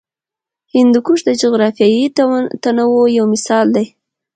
هندوکش د جغرافیوي تنوع یو مثال دی.